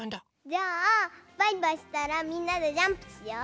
じゃあバイバイしたらみんなでジャンプしよう！